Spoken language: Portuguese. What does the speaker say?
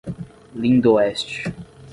Lindoeste